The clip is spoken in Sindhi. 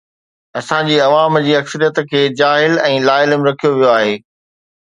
اسان جي عوام جي اڪثريت کي جاهل ۽ لاعلم رکيو ويو آهي.